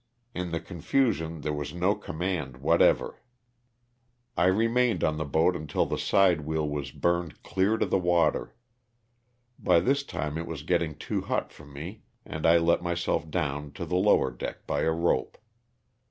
In the con usion there was no command whatever. I remained 104 LOSS OF THE SULTANA. on the boat until the side wheel was burned clear to the water; by this time it was getting too hot for me and I let myself down to the lower deck by a rope.